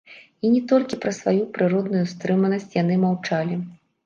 І не толькі праз сваю прыродную стрыманасць яны маўчалі.